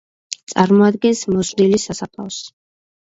წარმოადგენს მოზრდილი სასაფლაოს.